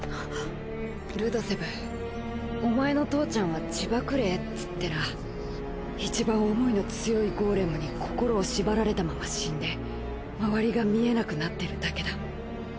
ルドセブお前の父ちゃんは地縛霊っつってないちばん思いの強いゴーレムに心を縛られたまま死んで周りが見えなくなってるだけだ。